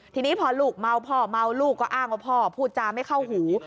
ทีนี้พอลูกเมาพ่อเมาลูกก็อ้างว่าพ่อพูดจาไม่เข้าหู